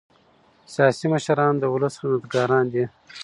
سیاسي مشران د ولس خدمتګاران دي